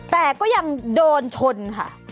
แต่ก็ยังโดนชนค่ะ